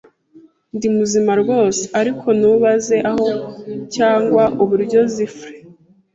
Ndi muzima rwose, ariko ntubaze aho cyangwa uburyo. Zifre